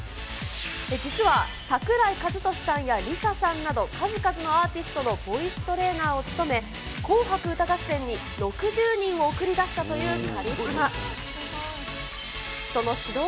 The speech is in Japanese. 実は、桜井和寿さんやＬｉＳＡさんなど、数々のアーティストのボイストレーナーを務め、紅白歌合戦に６０人を送り出したというカリスマ。